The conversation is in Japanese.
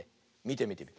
みてみて。